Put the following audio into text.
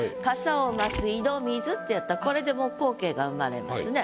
「嵩を増す井戸水」ってやったらこれでもう光景が生まれますね。